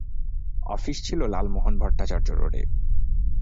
Office ছিল লালমোহন ভট্টাচার্য রোডে।